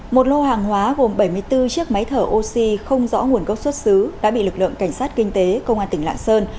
một lô hàng hóa gồm bảy mươi bốn chiếc máy thở oxy không rõ nguồn gốc xuất xứ đã bị lực lượng cảnh sát kinh tế công an tỉnh lạng sơn